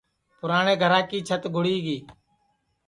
پُراٹِؔیں گھرا کی چھت گُڑی گی